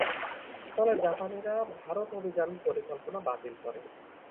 ফলে জাপানিরা ভারত অভিযান পরিকল্পনা বাতিল করে।